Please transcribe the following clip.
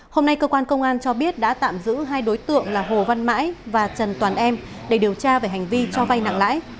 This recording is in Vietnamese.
hôm nay cơ quan công an cho biết đã tạm giữ hai đối tượng là hồ văn mãi và trần toàn em để điều tra về hành vi cho vay nặng lãi